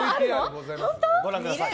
ご覧ください。